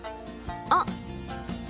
あっ！